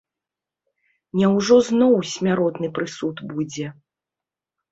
Няўжо зноў смяротны прысуд будзе?